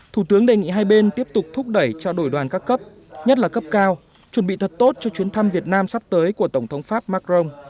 thủ tướng đề nghị hai bên tiếp tục thúc đẩy trao đổi đoàn các cấp nhất là cấp cao chuẩn bị thật tốt cho chuyến thăm việt nam sắp tới của tổng thống pháp macron